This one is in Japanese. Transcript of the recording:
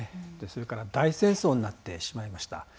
それから大戦争になってしまいました。